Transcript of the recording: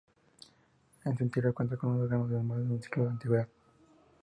En su interior cuenta con un órgano de más de un siglo de antigüedad.